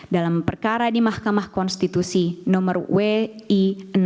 dalam perkara di mahkamah konstitusi nomor wi enam